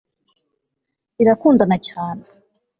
birakundana cyane